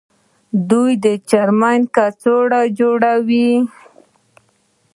دوی چرمي کڅوړې جوړوي.